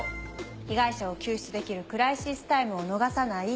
被害者を救出できるクライシスタイムを逃さない。